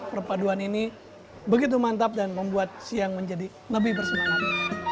perpaduan ini begitu mantap dan membuat siang menjadi lebih bersenang senang